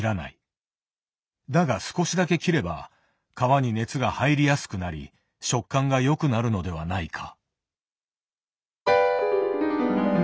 だが少しだけ切れば皮に熱が入りやすくなり食感が良くなるのではないか。